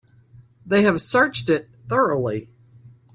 They have searched it thoroughly.